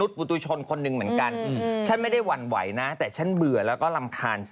สรุปได้เลย